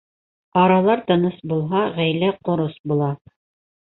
Аралар тыныс булһа, ғаилә ҡорос була.